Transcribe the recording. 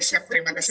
oke siap terima kasih